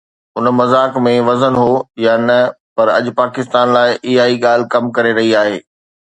ان مذاق ۾ وزن هو يا نه، پر اڄ پاڪستان لاءِ اها ئي ڳالهه ڪم ڪري رهي آهي.